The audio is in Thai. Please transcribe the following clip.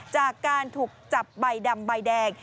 จากการถูกจับใบดำใบแดง